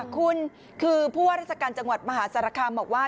คุณคือผู้ว่าราชการจังหวัดมหาสารคามบอกว่า